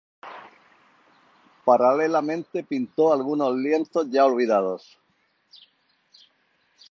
Paralelamente, pintó algunos lienzos ya olvidados.